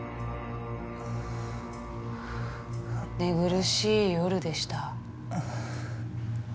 寝苦しい夜でした。